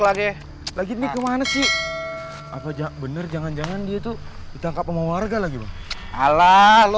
lagi lagi nih kemana sih apa aja bener jangan jangan dia tuh ditangkap warga lagi ala lu